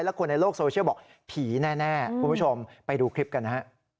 แล้วคนในโลกโซเชียลบอกผีแน่คุณผู้ชมไปดูคลิปกันนะฮะ